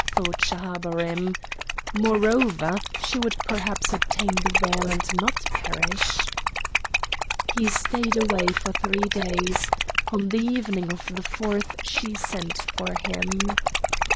thought Schahabarim. Moreover, she would perhaps obtain the veil and not perish. He stayed away for three days; on the evening of the fourth she sent for him.